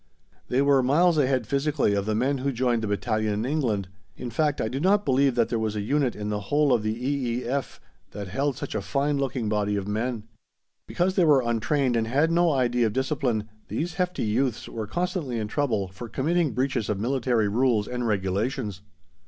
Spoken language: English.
They were miles ahead, physically, of the men who joined the battalion in England in fact I do not believe that there was a unit in the whole of the E.E.F. that held such a fine looking body of men. Because they were untrained and had no idea of discipline, these hefty youths were constantly in trouble for committing breaches of military rules and regulations.